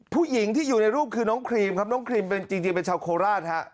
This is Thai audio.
ผู้หญิงที่อยู่ในรูปคือน้องครีมครับน้องครีมเป็นจริงเป็นชาวโคราชฮะ